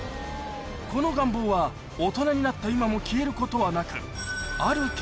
この願望は大人になった今も消えることはなくそれが